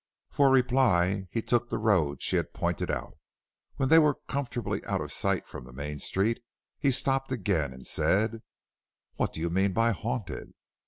For reply, he took the road she had pointed out. When they were comfortably out of sight from the main street, he stopped again and said: "What do you mean by haunted?"